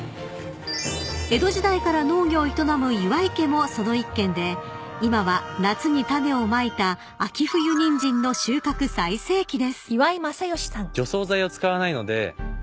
［江戸時代から農業を営む岩井家もその一軒で今は夏に種をまいた秋冬ニンジンの収穫最盛期です］